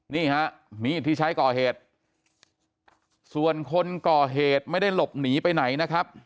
นี่ฮะมีดที่ใช้ก่อเหตุส่วนคนก่อเหตุไม่ได้หลบหนีไปไหนนะครับ